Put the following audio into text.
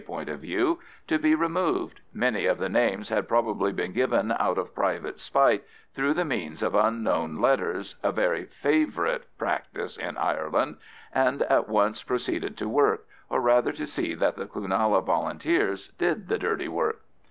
point of view) to be removed—many of the names had probably been given out of private spite through the means of anonymous letters, a very favourite practice in Ireland—and at once proceeded to work, or rather to see that the Cloonalla Volunteers did the dirty work.